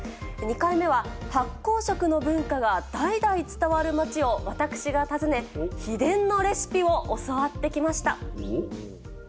２回目は、発酵食の文化が代々伝わる町を私が訪ね、秘伝のレシピを教わってきました。